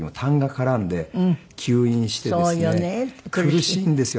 苦しいんですよ